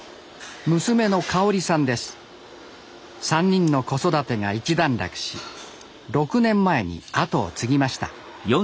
３人の子育てが一段落し６年前に後を継ぎました。